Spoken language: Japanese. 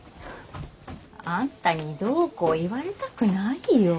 あんたにどうこう言われたくないよ。